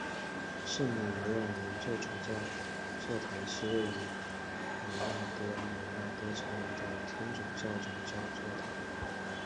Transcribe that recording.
圣母无染原罪主教座堂是位于摩纳哥摩纳哥城的一座天主教主教座堂。